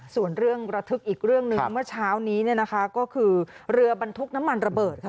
ส่วนเรื่องระทึกอีกเรื่องหนึ่งเมื่อเช้านี้เนี่ยนะคะก็คือเรือบรรทุกน้ำมันระเบิดค่ะ